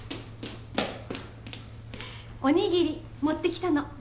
おにぎり持ってきたの。